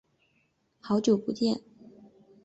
好久不见。